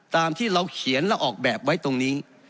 ตามที่เราเขียนและออกแบบไว้ตรงนี้